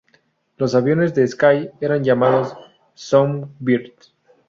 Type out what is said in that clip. Los aviones de Sky eran llamados "Songbird".